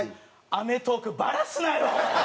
『アメトーーク』バラすなよ！